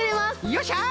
よっしゃ！